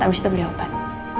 abis itu beli obat